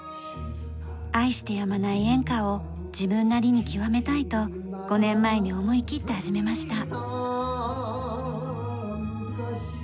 愛してやまない演歌を自分なりに極めたいと５年前に思いきって始めました。